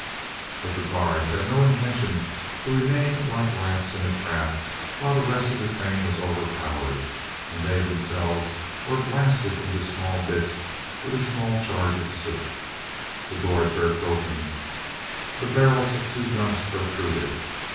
But the guards had no intention to remain like rats in a trap, while the rest of the train was overpowered and they themselves were blasted into small bits with a small charge of soup. The door jerked open, the barrels of two guns protruded.